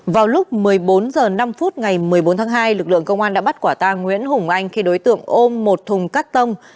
vào lúc một mươi bốn h năm ngày một mươi bốn tháng hai lực lượng công an đã bắt quả ta nguyễn hùng anh khi đối tượng ôm một thùng cắt tông